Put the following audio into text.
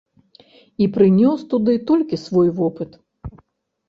І прынёс туды толькі свой вопыт.